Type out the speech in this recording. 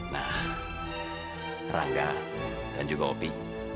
nah rangga dan juga opi